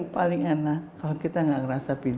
paling enak kalau kita gak ngerasa